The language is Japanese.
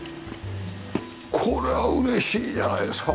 これは嬉しいじゃないですか！